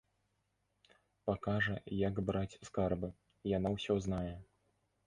Пакажа, як браць скарбы, яна ўсё знае!